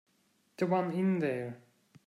The one in there.